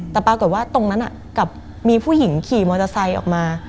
แต่ปรากฏว่าตรงนั้นกลับมีผู้หญิงขี่มอเตอร์ไซค์ออกมา